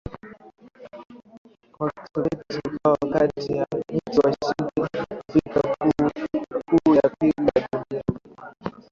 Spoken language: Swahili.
wa Kisovyeti ukawa kati ya nchi washindi wa vita kuu ya pili ya dunia